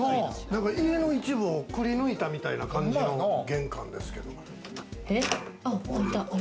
家の一部をくりぬいたみたいな玄関ですけれども。